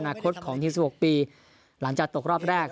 คตของทีม๑๖ปีหลังจากตกรอบแรก